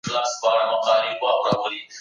غوښه بايد ښه پخه شي.